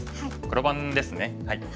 黒番ですね。